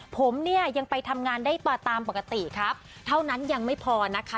ผมเนี่ยยังไปทำงานได้ตามปกติครับเท่านั้นยังไม่พอนะคะ